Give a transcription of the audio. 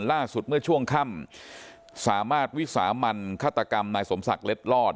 ล่าสุดเมื่อช่วงค่ำสามารถวิสามันฆาตกรรมนายสมศักดิ์เล็ดลอด